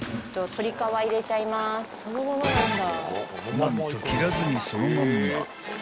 ［何と切らずにそのまんま］